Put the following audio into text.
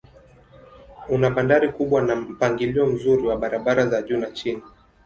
Una bandari kubwa na mpangilio mzuri wa barabara za juu na chini.